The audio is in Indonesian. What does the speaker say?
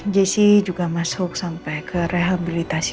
jessi juga masuk sampai ke rehabilitasi